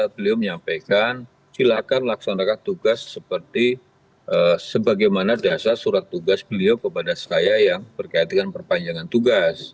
beliau menyampaikan silakan laksanakan tugas seperti sebagaimana dasar surat tugas beliau kepada saya yang berkaitan dengan perpanjangan tugas